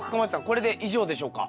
これで以上でしょうか？